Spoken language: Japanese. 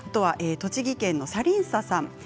栃木県の方からです。